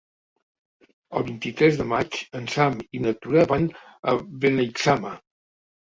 El vint-i-tres de maig en Sam i na Tura van a Beneixama.